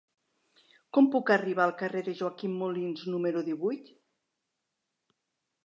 Com puc arribar al carrer de Joaquim Molins número divuit?